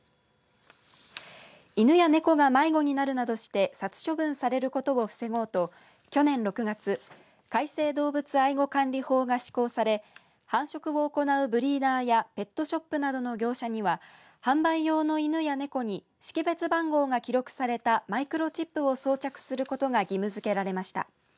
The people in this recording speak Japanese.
犬や猫が迷子になるなどして殺処分されることを防ごうと去年６月改正動物愛護管理法が施行され繁殖を行うブリーダーやペットショップなどの業者には販売用の犬や猫に識別番号が記録されたマイクロチップを装着することが義務づけられました。